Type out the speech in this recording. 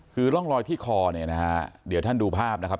คือร่องรอยที่คอเนี่ยนะฮะเดี๋ยวท่านดูภาพนะครับ